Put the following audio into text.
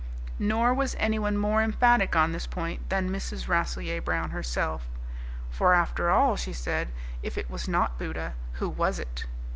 Nor was anyone more emphatic on this point than Mrs. Rasselyer Brown herself. "For after all," she said, "if it was not Buddha, who was it?"